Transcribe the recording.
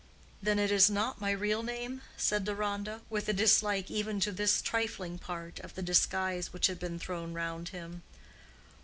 "Then it is not my real name?" said Deronda, with a dislike even to this trifling part of the disguise which had been thrown round him.